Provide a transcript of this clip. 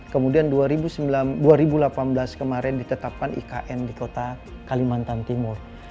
kemudian dua ribu delapan belas kemarin ditetapkan ikn di kota kalimantan timur